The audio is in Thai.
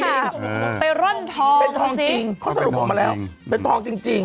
ไปร่อนทองเป็นทองจริงเขาสรุปออกมาแล้วเป็นทองจริงจริง